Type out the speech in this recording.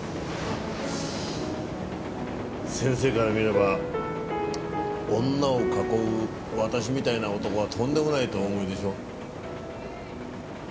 先生から見れば女を囲うわたしみたいな男はとんでもないとお思いでしょ？